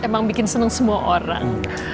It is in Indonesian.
emang bikin senang semua orang